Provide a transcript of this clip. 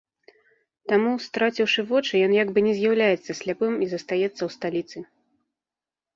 Таму, страціўшы вочы, ён як бы не з'яўляецца сляпым і застаецца ў сталіцы.